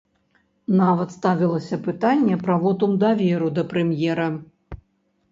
Нават ставілася пытанне пра вотум даверу да прэм'ера.